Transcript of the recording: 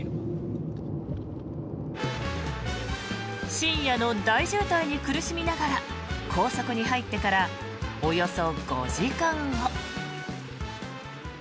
深夜の大渋滞に苦しみながら高速に入ってからおよそ５時間後。